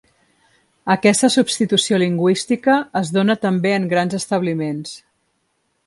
Aquesta substitució lingüística es dóna també en grans establiments.